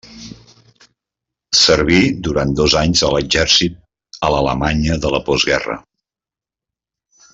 Serví durant dos anys a l'exèrcit a l'Alemanya de la postguerra.